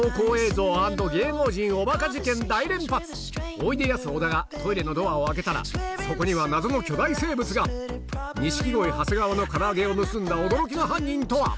おいでやす小田がトイレのドアを開けたらそこには謎の巨大生物が錦鯉・長谷川の唐揚げを盗んだ驚きの犯人とは？